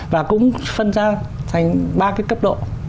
và cũng phân ra thành ba cái cấp độ